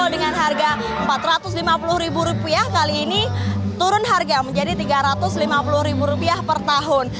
dengan harga rp empat ratus lima puluh kali ini turun harga menjadi rp tiga ratus lima puluh per tahun